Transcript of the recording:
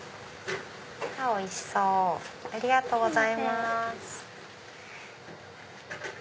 おいしそうありがとうございます。